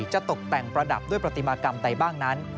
จะตกแต่งประดับด้วยปฏิมากรรมใดบ้างนั้น